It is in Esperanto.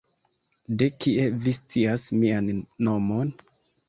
De kie vi scias mian nomon?